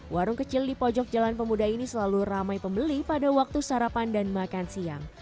warung kecil di pojok jalan pemuda ini selalu ramai pembeli pada waktu sarapan dan makan siang